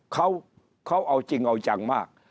เขาเอาจริงเอาจังมาก